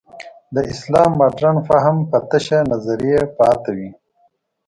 د اسلام مډرن فهم به تشه نظریه پاتې وي.